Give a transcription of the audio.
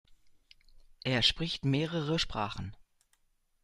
Er spricht mehrere Sprachen.